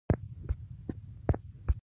د غزني ښار هم لرغونی اهمیت لري.